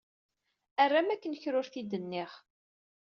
Err am akken kra ur t-id-nniɣ.